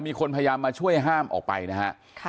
มีคนพยายามมาช่วยห้ามออกไปนะฮะ